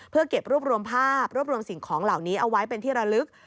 เพื่อเก็บรวบรวมภาพรวบรวมสิ่งของเหล่านี้เอาไว้เป็นที่ระลึก